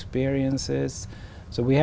trong quốc gia